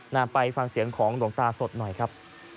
ไปฟังเสียงของหลวงตาสดหน่อยครับ